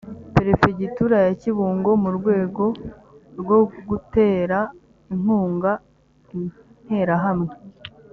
perefegitura ya kibungo, mu rwego rwo gutera inkunga interahamwe